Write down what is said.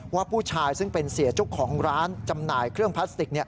ว่าผู้ชายซึ่งเป็นเสียเจ้าของร้านจำหน่ายเครื่องพลาสติก